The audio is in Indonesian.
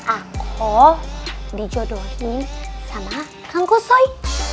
aku dijodohin sama kang kusoy